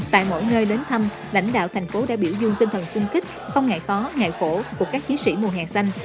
tại mỗi nơi đến thăm lãnh đạo thành phố đã biểu dung tinh thần xung kích không ngại khó ngại khổ của các chí sĩ mùa hè xanh